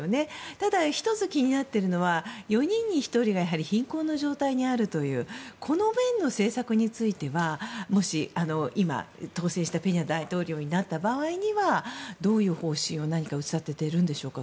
ただ、１つ気になっているのが４人に１人が貧困の状態にあるというこの面の政策についてはもし、当選してペニャ大統領になった場合にはどういう方針を、何か打ち立てているんでしょうか。